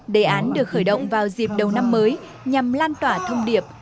đề án được khởi động vào dịp đầu năm mới nhằm lan tỏa thông điệp